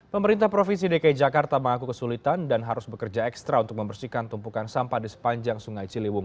pemerintah provinsi dki jakarta mengaku kesulitan dan harus bekerja ekstra untuk membersihkan tumpukan sampah di sepanjang sungai ciliwung